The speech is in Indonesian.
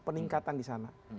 peningkatan di sana